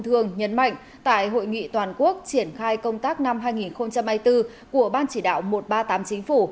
thương nhấn mạnh tại hội nghị toàn quốc triển khai công tác năm hai nghìn hai mươi bốn của ban chỉ đạo một trăm ba mươi tám chính phủ